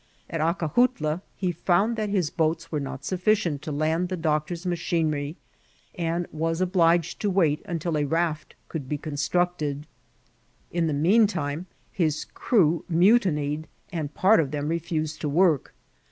At Aoajutia he found that his boats were not sufficient to land the doctor's machinery, and was obliged to wait until a raft could be constructed. In the mean time his crew mutinied, and part of them refused to work.